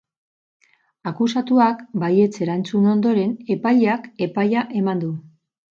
Akusatuak baietz erantzun ondoren, epaileak epaia eman du.